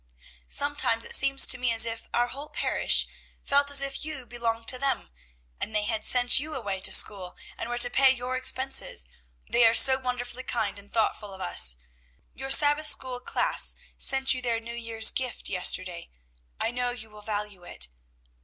"Sometimes it seems to me as if our whole parish felt as if you belonged to them, and they had sent you away to school, and were to pay your expenses, they are so wonderfully kind and thoughtful of us. Your sabbath school class sent you their New Year's gift yesterday; I know you will value it.